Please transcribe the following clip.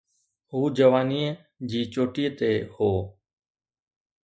هو جوانيءَ جي چوٽيءَ تي هو.